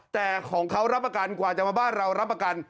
แต่ของเขารับประกันกว่าจะมาบ้านเรารับประกัน